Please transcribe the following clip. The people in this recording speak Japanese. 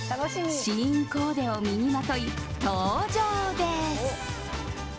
ＳＨＥＩＮコーデを身にまとい登場です。